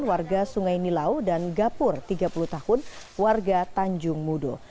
warga sungai nilau dan gapur tiga puluh tahun warga tanjung mudo